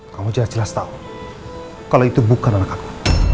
kau jelas jelas tahu kalau itu bukan anak aku